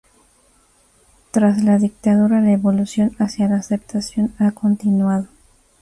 Tras la dictadura, la evolución hacia la aceptación ha continuado.